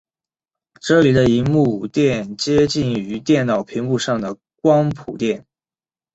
这里的萤幕靛接近于电脑萤幕上的光谱靛。